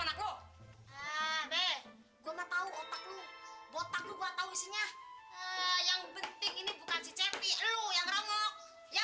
loh gue mau tahu otakmu botak gua tahu isinya yang penting ini bukan si cepi lu yang rambut ya